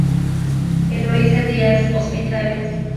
Eloísa Díaz-Hospitales".